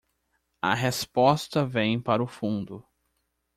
A resposta vem para o fundo